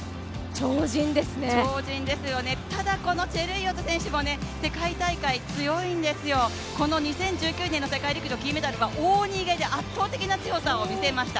超人ですよね、ただ、このチェルイヨット選手も世界大会強いんですよ、この２０１９年の世界陸上、金メダルは大逃げで圧倒的な強さを見せました。